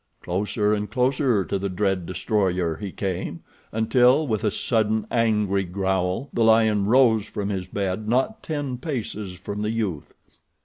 Closer and closer to the dread destroyer he came, until, with a sudden, angry growl, the lion rose from his bed not ten paces from the youth.